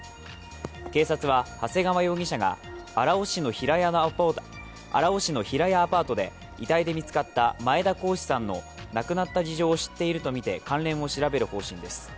警察は長谷川容疑者が荒尾市の平屋アパートで遺体で見つかった前田好志さんの亡くなった事情を知っているとみて関連を調べる方針です。